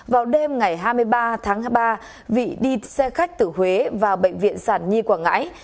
vào đêm ngày hai mươi ba tháng ba vị đi xe khách từ huế vào bệnh viện sản nhi quảng ngãi